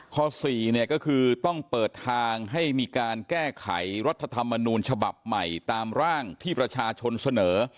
๔เนี่ยก็คือต้องเปิดทางให้มีการแก้ไขรัฐธรรมนูญฉบับใหม่ตามร่างที่ประชาชนเสนอ